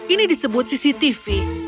ini disebut cctv